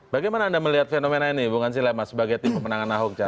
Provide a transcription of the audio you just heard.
bagaimana anda melihat fenomena ini bung ansi lema sebagai tim pemenangan ahok